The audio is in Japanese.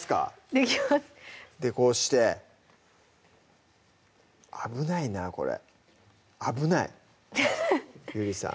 できますでこうして危ないなこれ危ないゆりさん